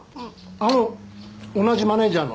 あの同じマネージャーの？